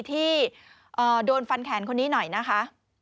ที่โดนฟันแขนคนนี้หน่อยนะคะ